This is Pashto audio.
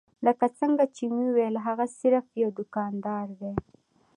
لکه څنګه چې مې وويل هغه صرف يو دوکاندار دی.